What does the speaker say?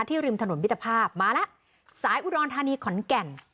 ที่ริมถนนวิทธภาพมาแล้วซ้ายอุดรณฐานีขอนแก่น